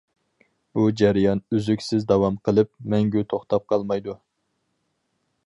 بۇ جەريان ئۈزۈكسىز داۋام قىلىپ، مەڭگۈ توختاپ قالمايدۇ.